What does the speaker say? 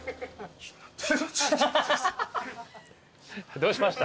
どうしました？